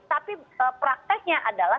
tapi prakteknya adalah